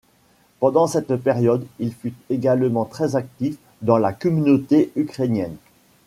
Pendant cette période, il fut également très actif dans la communauté ukrainienne.